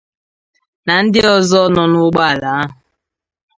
na ndị ọzọ nọ n'ụgbọala ahụ.